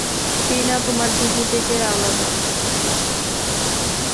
টিনা তোমার চিঠি থেকে আলাদা।